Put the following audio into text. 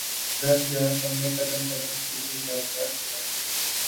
رہ یار ہم نے قدم قدم تجھے یادگار بنا دیا